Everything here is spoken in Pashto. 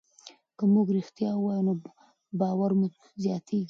که موږ ریښتیا ووایو نو باور مو زیاتېږي.